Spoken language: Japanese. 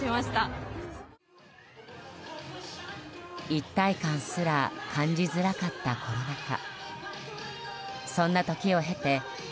一体感すら感じづらかったコロナ禍。